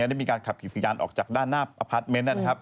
ได้มีการขับกินสุขยานออกจากด้านหน้าอพาร์ตเมน